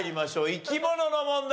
生き物の問題。